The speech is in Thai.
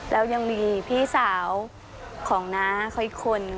แล้วยังมีพี่สาวของน้าเขาอีกคน